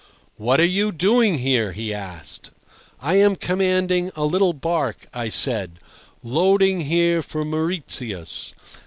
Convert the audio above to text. "What are you doing here?" he asked. "I am commanding a little barque," I said, "loading here for Mauritius."